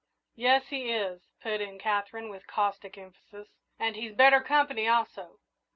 "Yes, he is," put in Katherine, with caustic emphasis; "and he's better company, also.